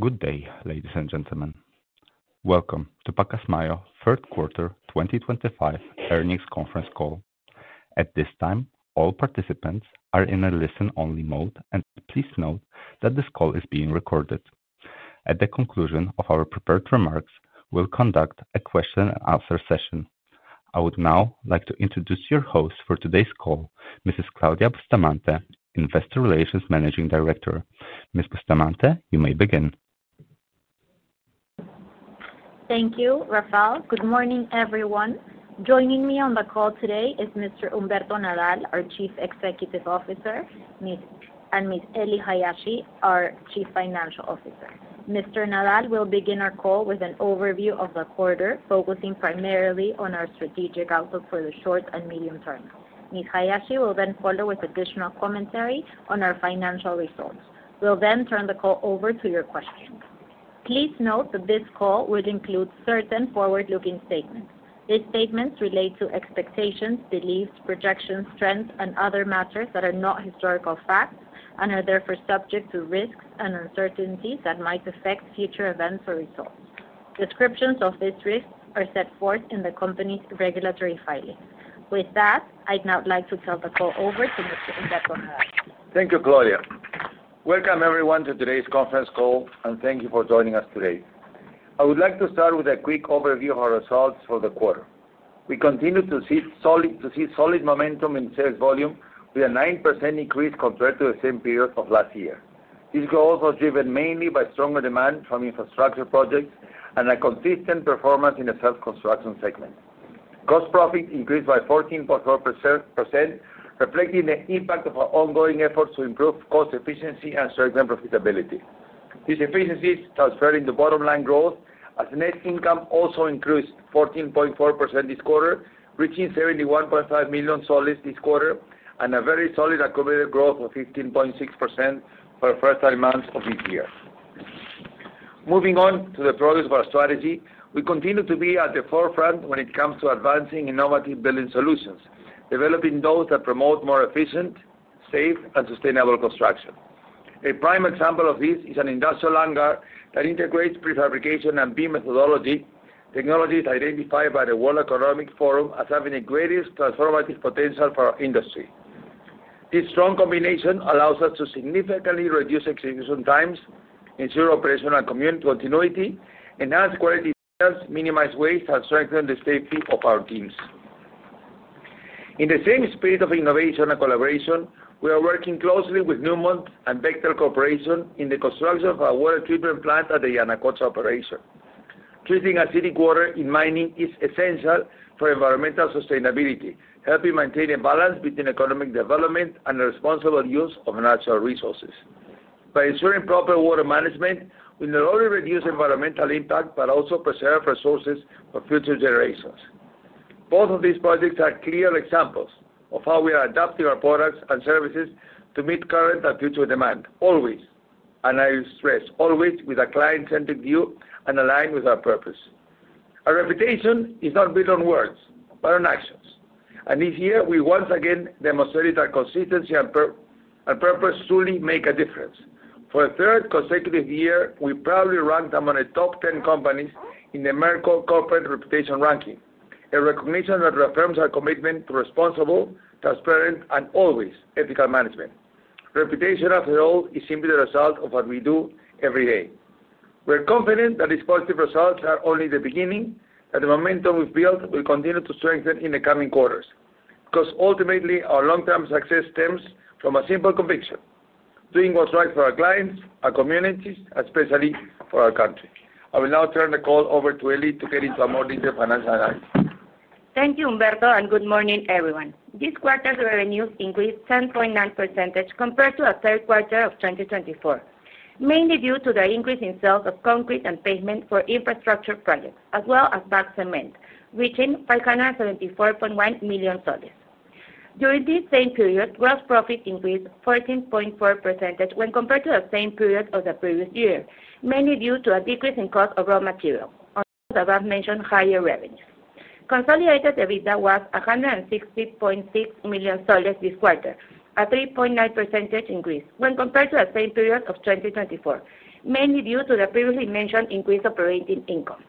Good day, ladies and gentlemen. Welcome to Pacasmayo third quarter 2025 earnings conference call. At this time, all participants are in a listen-only mode, and please note that this call is being recorded. At the conclusion of our prepared remarks, we'll conduct a question-and-answer session. I would now like to introduce your host for today's call, Mrs. Claudia Bustamante, Investor Relations Managing Director. Ms. Bustamante, you may begin. Thank you, Rafael. Good morning, everyone. Joining me on the call today is Mr. Humberto Nadal Del Carpio, our Chief Executive Officer, and Ms. Ely Adriana Hayashi Hirahoka, our Chief Financial Officer. Mr. Nadal will begin our call with an overview of the quarter, focusing primarily on our strategic outlook for the short and medium-term. Ms. Hayashi will then follow with additional commentary on our financial results. We'll then turn the call over to your questions. Please note that this call will include certain forward-looking statements. These statements relate to expectations, beliefs, projections, trends, and other matters that are not historical facts and are therefore subject to risks and uncertainties that might affect future events or results. Descriptions of these risks are set forth in the company's regulatory filings. With that, I'd now like to turn the call over to Mr. Humberto Nadal Del Carpio. Thank you, Claudia. Welcome, everyone, to today's conference call, and thank you for joining us today. I would like to start with a quick overview of our results for the quarter. We continue to see solid momentum in sales volume, with a 9% increase compared to the same period of last year. This growth was driven mainly by stronger demand from infrastructure projects and a consistent performance in the self-construction segment. Cost profit increased by 14.4%, reflecting the impact of our ongoing efforts to improve cost efficiency and strengthen profitability. These efficiencies transfer into bottom-line growth, as net income also increased 14.4% this quarter, reaching PEN 71.5 million this quarter, and a very solid accumulative growth of 15.6% for the first three months of this year. Moving on to the progress of our strategy, we continue to be at the forefront when it comes to advancing innovative building solutions, developing those that promote more efficient, safe, and sustainable construction. A prime example of this is an industrial hangar that integrates prefabrication and BIM methodology, technologies identified by the World Economic Forum as having the greatest transformative potential for our industry. This strong combination allows us to significantly reduce execution times, ensure operational continuity, enhance quality details, minimize waste, and strengthen the safety of our teams. In the same spirit of innovation and collaboration, we are working closely with Newmont and Bechtel Corporation in the construction of a water treatment plant at the Yanacocha operation. Treating acidic water in mining is essential for environmental sustainability, helping maintain a balance between economic development and the responsible use of natural resources. By ensuring proper water management, we not only reduce environmental impact but also preserve resources for future generations. Both of these projects are clear examples of how we are adapting our products and services to meet current and future demand, always, and I stress, always, with a client-centric view and aligned with our purpose. Our reputation is not built on words but on actions. This year, we once again demonstrated that consistency and purpose truly make a difference. For the third consecutive year, we proudly ranked among the top 10 companies in the Merck Corporate Reputation Ranking, a recognition that reaffirms our commitment to responsible, transparent, and always ethical management. Reputation, after all, is simply the result of what we do every day. We're confident that these positive results are only the beginning, that the momentum we've built will continue to strengthen in the coming quarters, because ultimately, our long-term success stems from a simple conviction: doing what's right for our clients, our communities, and especially for our country. I will now turn the call over to Ely to get into a more detailed financial analysis. Thank you, Humberto, and good morning, everyone. This quarter's revenues increased 10.9% compared to the third quarter of 2024, mainly due to the increase in sales of concrete and pavement for infrastructure projects, as well as PAC cement, reaching PEN 574.1 million. During this same period, gross profit increased 14.4% when compared to the same period of the previous year, mainly due to a decrease in cost of raw material, on top of the above-mentioned higher revenues. Consolidated EBITDA was PEN 160.6 million this quarter, a 3.9% increase when compared to the same period of 2024, mainly due to the previously mentioned increase of operating income.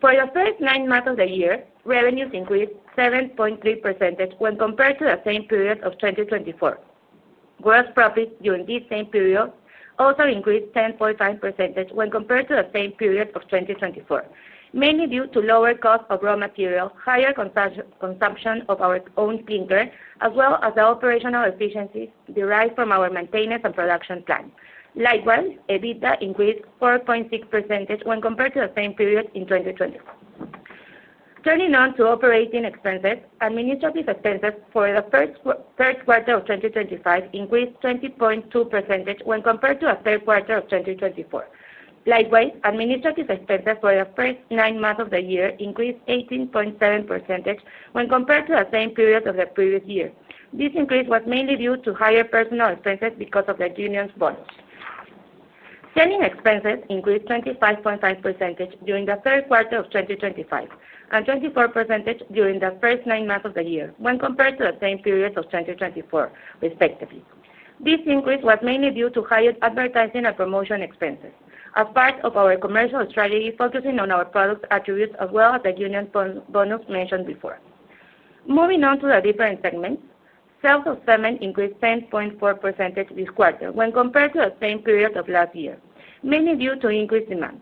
For the first nine months of the year, revenues increased 7.3% when compared to the same period of 2024. Gross profit during this same period also increased 10.5% when compared to the same period of 2024, mainly due to lower cost of raw material, higher consumption of our own clean air, as well as the operational efficiencies derived from our maintenance and production plan. Likewise, EBITDA increased 4.6% when compared to the same period in 2024. Turning on to operating expenses, administrative expenses for the third quarter of 2025 increased 20.2% when compared to the third quarter of 2024. Likewise, administrative expenses for the first nine months of the year increased 18.7% when compared to the same period of the previous year. This increase was mainly due to higher personnel expenses because of the union's bonus. Selling expenses increased 25.5% during the third quarter of 2025 and 24% during the first nine months of the year when compared to the same period of 2024, respectively. This increase was mainly due to higher advertising and promotion expenses as part of our commercial strategy, focusing on our product's attributes, as well as the union bonus mentioned before. Moving on to the different segments, sales of cement increased 10.4% this quarter when compared to the same period of last year, mainly due to increased demand.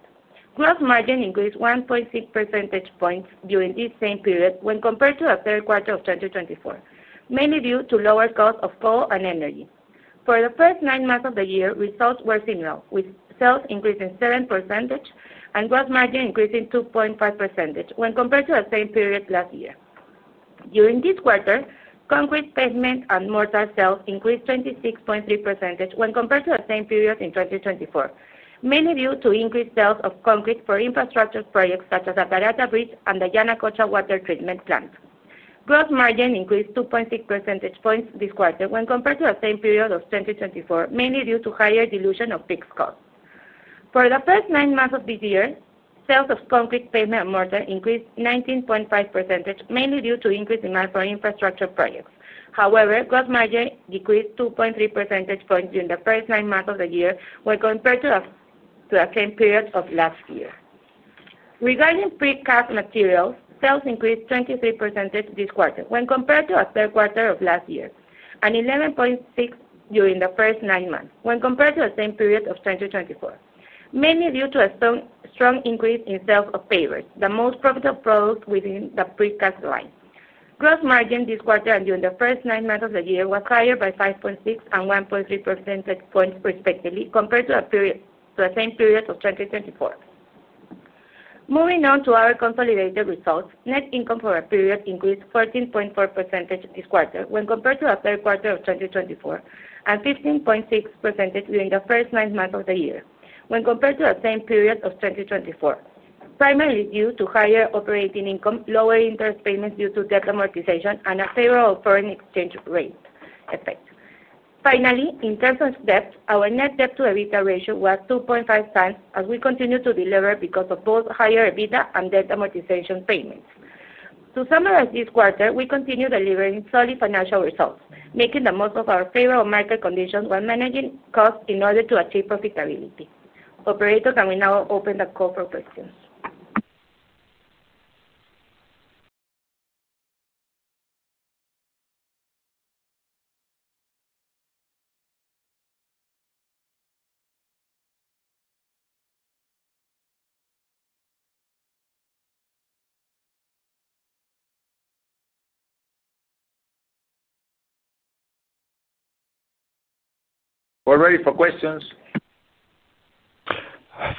Gross margin increased 1.6 percentage points during this same period when compared to the third quarter of 2024, mainly due to lower cost of coal and energy. For the first nine months of the year, results were similar, with sales increasing 7% and gross margin increasing 2.5% when compared to the same period last year. During this quarter, concrete pavement and mortar sales increased 26.3% when compared to the same period in 2024, mainly due to increased sales of concrete for infrastructure projects such as the Parada Bridge and the Yanacocha Water Treatment Plant. Gross margin increased 2.6 percentage points this quarter when compared to the same period of 2024, mainly due to higher dilution of fixed costs. For the first nine months of this year, sales of concrete pavement and mortar increased 19.5%, mainly due to increased demand for infrastructure projects. However, gross margin decreased 2.3 percentage points during the first nine months of the year when compared to the same period of last year. Regarding precast materials, sales increased 23% this quarter when compared to the third quarter of last year and 11.6% during the first nine months when compared to the same period of 2024, mainly due to a strong increase in sales of pavers, the most profitable product within the precast line. Gross margin this quarter and during the first nine months of the year was higher by 5.6% and 1.3 percentage points, respectively, compared to the same period of 2024. Moving on to our consolidated results, net income for a period increased 14.4% this quarter when compared to the third quarter of 2024 and 15.6% during the first nine months of the year when compared to the same period of 2024, primarily due to higher operating income, lower interest payments due to debt amortization, and a favorable foreign exchange rate effect. Finally, in terms of debt, our net debt-to-EBITDA ratio was 2.5x, as we continue to deliver because of both higher EBITDA and debt amortization payments. To summarize this quarter, we continue delivering solid financial results, making the most of our favorable market conditions while managing costs in order to achieve profitability. Operator, can we now open the call for questions? We're ready for questions.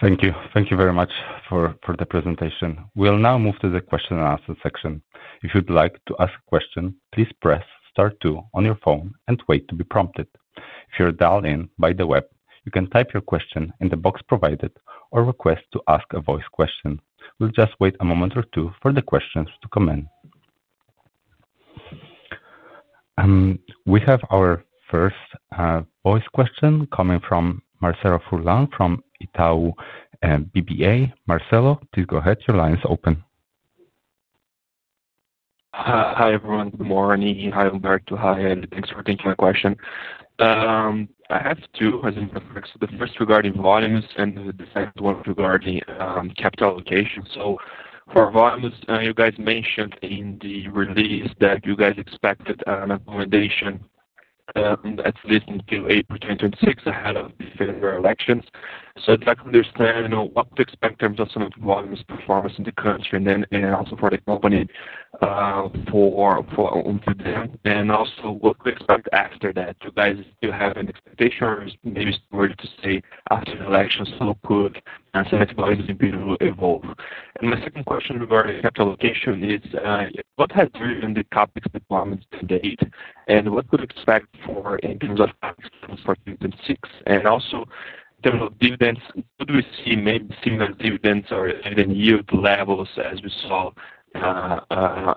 Thank you. Thank you very much for the presentation. We'll now move to the question-and-answer section. If you'd like to ask a question, please press star two on your phone and wait to be prompted. If you're dialed in by the web, you can type your question in the box provided or request to ask a voice question. We'll just wait a moment or two for the questions to come in. We have our first voice question coming from Marcelo Sá from Itaú BBA. Marcelo, please go ahead. Your line is open. Hi, everyone. Good morning. Hi, Humberto. Hi, Ely. Thanks for taking my question. I have two, the first regarding volumes and the second one regarding capital allocation. For volumes, you guys mentioned in the release that you guys expected an accommodation at least until April 2026 ahead of the federal elections. I'd like to understand what to expect in terms of some of the volumes performance in the country and then also for the company forward to then, and also what we expect after that. Do you guys still have an expectation or maybe it's too early to say after the elections how quick some of the volumes will evolve? My second question regarding capital allocation is, what has driven the CapEx deployment to date and what could we expect in terms of CapEx performance for 2026? Also, in terms of dividends, could we see maybe similar dividends or even yield levels as we saw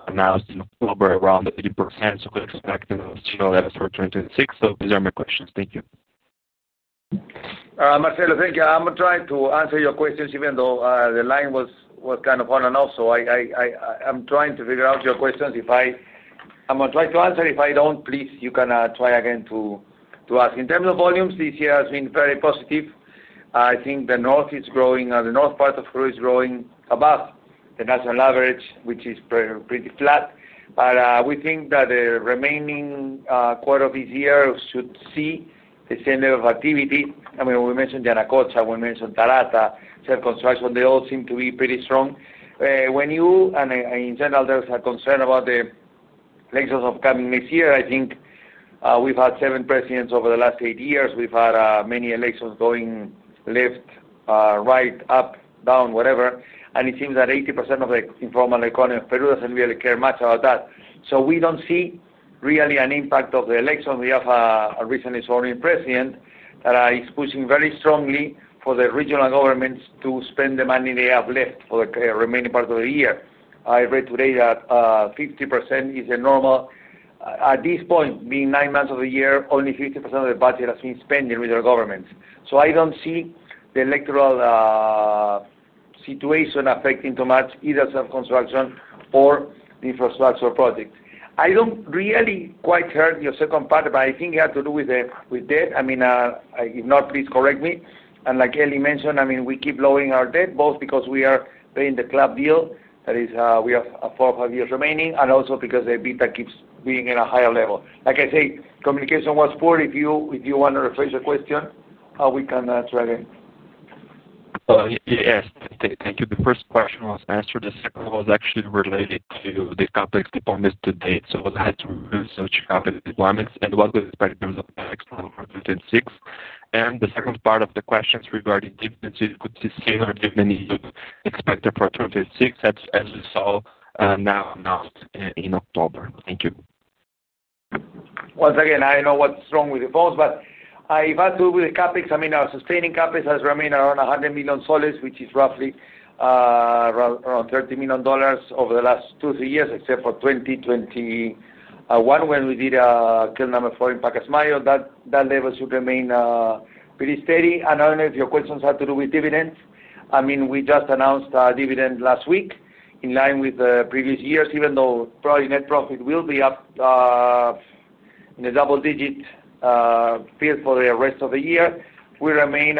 announced in October around 80%? Could we expect similar levels for 2026? These are my questions. Thank you. Marcelo, thank you. I'm going to try to answer your questions even though the line was kind of on and off. I'm trying to figure out your questions. I'm going to try to answer. If I don't, please, you can try again to ask. In terms of volumes, this year has been very positive. I think the north is growing, and the north part of Peru is growing above the national average, which is pretty flat. We think that the remaining quarter of this year should see the same level of activity. I mean, we mentioned Yanacocha, we mentioned Tarata, self-construction, they all seem to be pretty strong. In general, there's a concern about the elections coming next year. I think we've had seven presidents over the last eight years. We've had many elections going left, right, up, down, whatever. It seems that 80% of the informal economy of Peru doesn't really care much about that. We don't see really an impact of the elections. We have a recently sworn-in president that is pushing very strongly for the regional governments to spend the money they have left for the remaining part of the year. I read today that 50% is the normal. At this point, being nine months of the year, only 50% of the budget has been spent in regional governments. I don't see the electoral situation affecting too much either self-construction or the infrastructure projects. I didn't really quite hear your second part, but I think it had to do with the debt. If not, please correct me. Like Ely mentioned, we keep lowering our debt, both because we are paying the club deal that is, we have four or five years remaining, and also because the EBITDA keeps being at a higher level. Communication was poor. If you want to rephrase your question, we can answer again. Yes. Thank you. The first question was answered. The second was actually related to the CapEx deployment to date. What has to do with such CapEx deployments and what do we expect in terms of CapEx for 2026? The second part of the questions regarding dividends, do you could see similar dividend yield expected for 2026, as we saw now announced in October. Thank you. Once again, I don't know what's wrong with both, but if it had to do with the CapEx, I mean, our sustaining CapEx has remained around PEN 100 million, which is roughly around $30 million over the last two or three years, except for 2021, when we did a clean number for Pacasmayo. That level should remain pretty steady. I don't know if your questions had to do with dividends. I mean, we just announced our dividend last week in line with the previous years, even though probably net profit will be up in the double-digits for the rest of the year. We remain,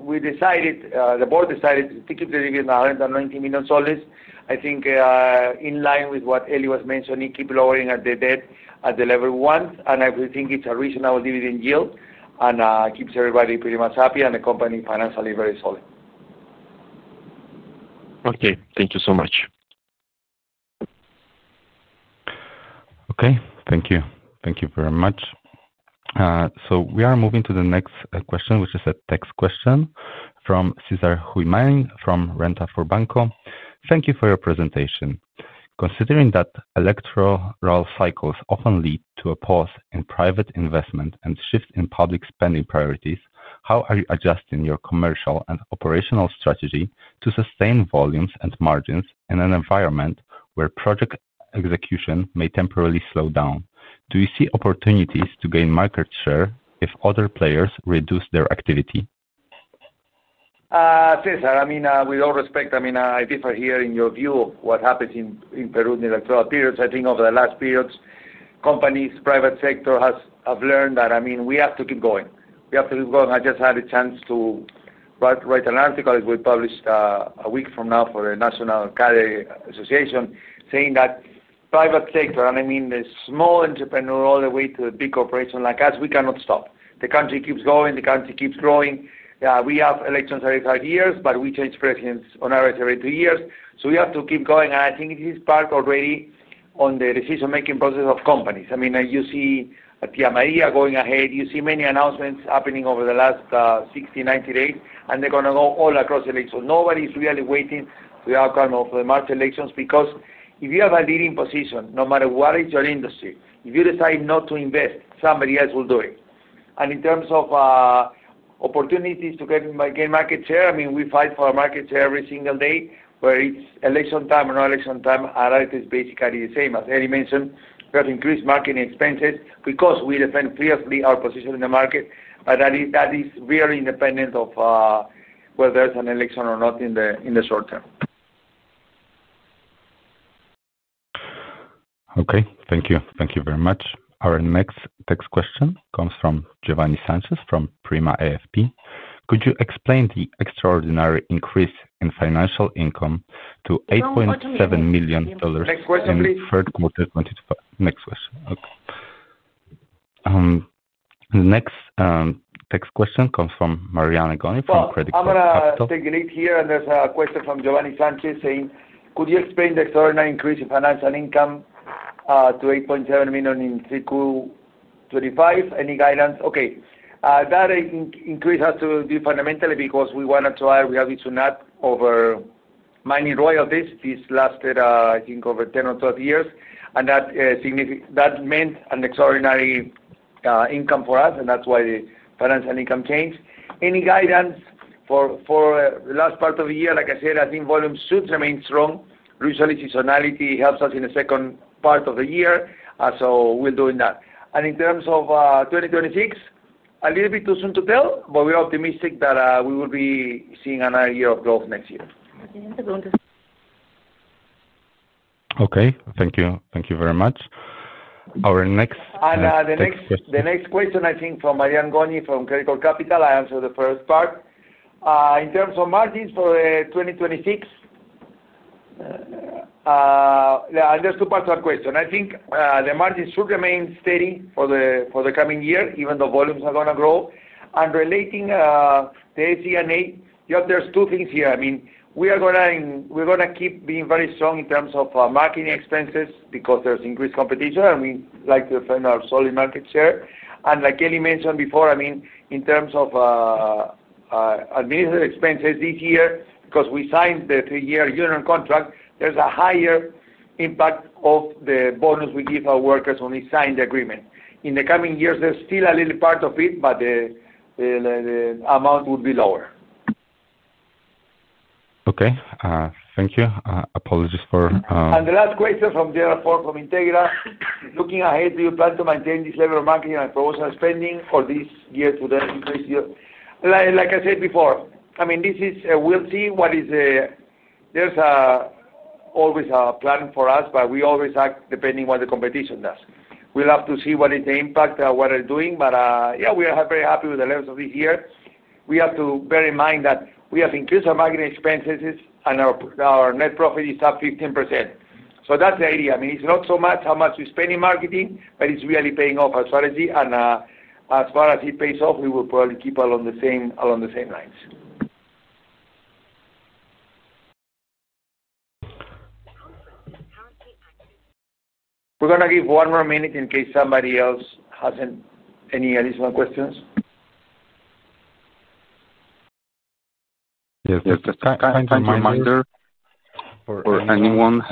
we decided, the board decided to keep the dividend at PEN 190 million. I think, in line with what Ely was mentioning, keep lowering the debt at the level we want. I think it's a reasonable dividend yield and keeps everybody pretty much happy and the company financially very solid. Okay. Thank you so much. Okay. Thank you. Thank you very much. We are moving to the next question, which is a text question from César Huimán from Renta for Banco. Thank you for your presentation. Considering that electoral cycles often lead to a pause in private investment and shifts in public spending priorities, how are you adjusting your commercial and operational strategy to sustain volumes and margins in an environment where project execution may temporarily slow down? Do you see opportunities to gain market share if other players reduce their activity? César, with all respect, I differ here in your view of what happens in Peru in electoral periods. I think over the last periods, companies, private sector have learned that we have to keep going. We have to keep going. I just had a chance to write an article that we published a week from now for the National Cadre Association, saying that private sector, and I mean the small entrepreneur all the way to the big corporation like us, we cannot stop. The country keeps going. The country keeps growing. We have elections every five years, but we change presidents on average every two years. We have to keep going. I think this is part already on the decision-making process of companies. You see a Tía María going ahead. You see many announcements happening over the last 60, 90 days, and they're going to go all across the legs. Nobody's really waiting for the outcome of the March elections because if you have a leading position, no matter what is your industry, if you decide not to invest, somebody else will do it. In terms of opportunities to gain market share, we fight for a market share every single day, whether it's election time or not election time. That is basically the same. As Ely mentioned, we have to increase marketing expenses because we defend fiercely our position in the market. That is really independent of whether there's an election or not in the short-term. Okay. Thank you. Thank you very much. Our next text question comes from Giovanni Sanchez from Prima AFP. Could you explain the extraordinary increase in financial income to $8.7 million in the third quarter of [2024]? Next question. The next text question comes from Mariana Goni from Credit Capital. I'm taking it here, and there's a question from Giovanni Sanchez saying, "Could you explain the extraordinary increase in financial income, to $8.7 million in 3Q 2025? Any guidelines?" Okay. That increase has to do fundamentally because we wanted to hire, we have to not over mining royalties. This lasted, I think, over 10 or 30 years. That meant an extraordinary income for us, and that's why the financial income changed. Any guidance for the last part of the year? Like I said, I think volumes should remain strong. Usually, seasonality helps us in the second part of the year, so we're doing that. In terms of 2026, a little bit too soon to tell, but we're optimistic that we will be seeing another year of growth next year. Okay. Thank you. Thank you very much. Our next text question. The next question, I think, from Mariana Goni from Credit Capital. I answered the first part. In terms of margins for 2026, yeah, and there's two parts to that question. I think the margins should remain steady for the coming year, even though volumes are going to grow. Relating to SENA, you have there's two things here. We are going to keep being very strong in terms of marketing expenses because there's increased competition, and we like to defend our solid market share. Like Ely mentioned before, in terms of administrative expenses this year, because we signed the three-year union contract, there's a higher impact of the bonus we give our workers when we sign the agreement. In the coming years, there's still a little part of it, but the amount will be lower. Okay, thank you. Apologies for. The last question is from Gerald Ford from Integra. Looking ahead, do you plan to maintain this level of marketing and proposal spending for this year, 2023? Like I said before, this is a we'll see what is the there's always a plan for us, but we always act depending on what the competition does. We have to see what is the impact of what we're doing. Yeah, we are very happy with the levels of this year. We have to bear in mind that we have increased our marketing expenses and our net profit is up 15%. That's the idea. It's not so much how much we spend in marketing, but it's really paying off our strategy. As far as it pays off, we will probably keep along the same lines. We're going to give one more minute in case somebody else has any additional questions. Just a time reminder. For anyone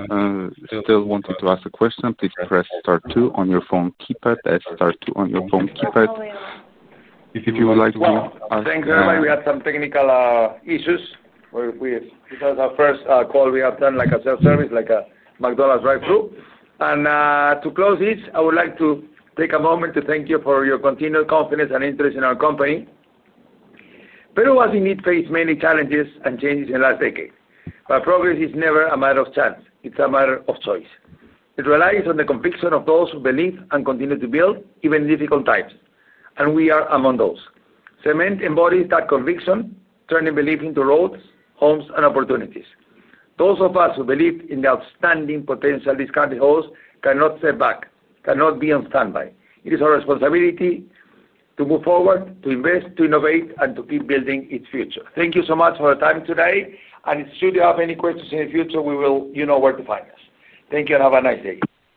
still wanting to ask a question, please press star two on your phone keypad. That's star two on your phone keypad if you would like to ask a question. Thank you. We had some technical issues with this was our first call we have done, like a self-service, like a McDonald's drive-thru. To close this, I would like to take a moment to thank you for your continued confidence and interest in our company. Peru has indeed faced many challenges and changes in the last decade. Progress is never a matter of chance. It's a matter of choice. It relies on the conviction of those who believe and continue to build even in difficult times. We are among those. Cement embodies that conviction, turning belief into roads, homes, and opportunities. Those of us who believe in the outstanding potential this country holds cannot step back, cannot be on standby. It is our responsibility to move forward, to invest, to innovate, and to keep building its future. Thank you so much for your time today. Should you have any questions in the future, you will know where to find us. Thank you and have a nice day.